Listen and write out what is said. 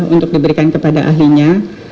untuk diberikan kepada ahlinya